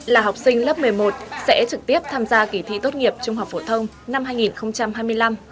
là học sinh lớp một mươi một sẽ trực tiếp tham gia kỳ thi tốt nghiệp trung học phổ thông năm hai nghìn hai mươi năm